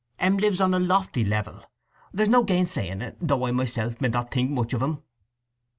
'Em lives on a lofty level; there's no gainsaying it, though I myself med not think much of 'em.